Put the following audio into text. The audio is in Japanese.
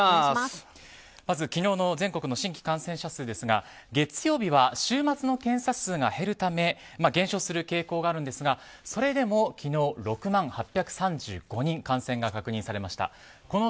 まず昨日の全国の新規感染者数ですが月曜日は週末の検査数が減るため減少する傾向があるんですがそれでも昨日６万８３５人